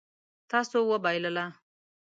تاسو وبایلله